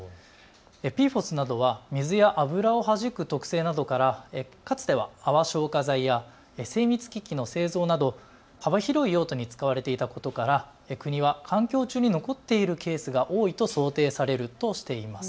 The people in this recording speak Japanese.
ＰＦＯＳなどは水や油をはじく特性などから、かつては泡消火剤や精密機器の製造など幅広い用途に使われていたことから国は環境中に残っているケースが多いと想定されるとしています。